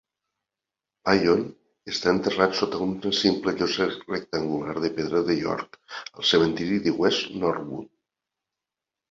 Wyon està enterrat sota una simple llosa rectangular de pedra de York al cementiri de West Norwood.